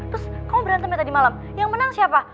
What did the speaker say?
terus kamu berantemnya tadi malam yang menang siapa